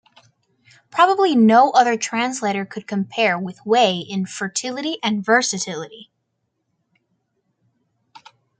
Probably no other translator could compare with Way in fertility and versatility.